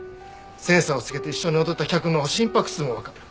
センサーをつけて一緒に踊った客の心拍数もわかる。